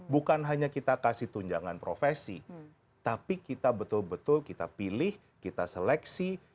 bukan hanya kita kasih tunjangan profesi tapi kita betul betul kita pilih kita seleksi